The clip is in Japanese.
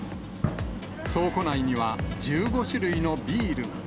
倉庫内には、１５種類のビールが。